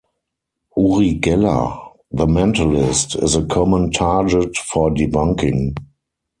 Uri Geller, the mentalist, is a common target for debunking.